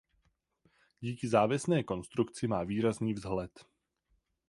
Díky závěsné konstrukci má výrazný vzhled.